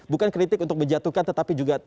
bukan kritik untuk menjatuhkan tetapi juga